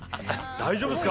大丈夫ですか？